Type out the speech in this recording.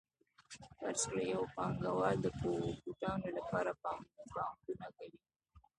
فرض کړئ یو پانګوال د بوټانو لپاره پانګونه کوي